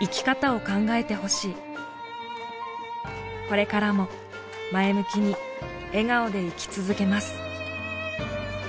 これからも前向きに笑顔で生き続けます。